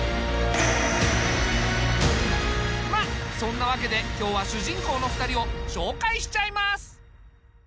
まあそんなわけで今日は主人公の２人を紹介しちゃいます。